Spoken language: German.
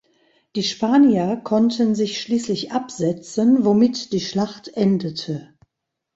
Die Spanier konnten sich schließlich absetzen, womit die Schlacht endete.